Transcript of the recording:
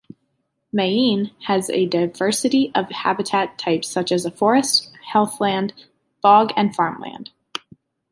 Mayenne has a diversity of habitat types such as forest, heathland, bog and farmland.